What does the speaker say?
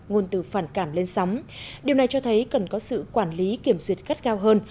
nguồn từ phản cảm lên sóng điều này cho thấy cần có sự quản lý kiểm duyệt cắt cao hơn